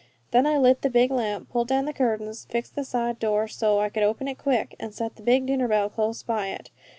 Then I lit the big lamp, pulled down the curtains, fixed the side door so I could open it quick, and set the big dinner bell close by it.